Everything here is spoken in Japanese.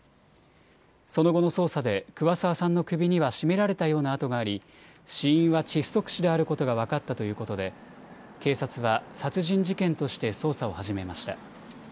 その後の捜査で桑沢さんの首には絞められたような痕があり、死因は窒息死であることが分かったということで、警察は殺人事件として捜査を始めました。